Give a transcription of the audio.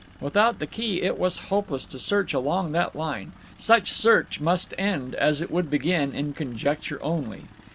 Without the key it was hopeless to search along that line; such search must end, as it would begin, in conjecture only.